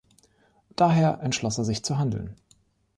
Daher entschloss er sich zu handeln.